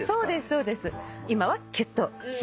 そうですか。